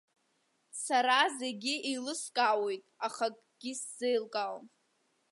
Сара зегьы еилыскаауеит, аха акгьы сзеилкаауам.